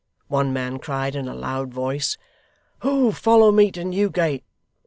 One man cried in a loud voice, 'Who'll follow me to Newgate!